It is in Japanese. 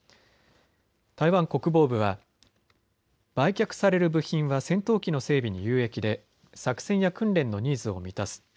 台湾国防部は売却される部品は戦闘機の整備に有益で作戦や訓練のニーズを満たす。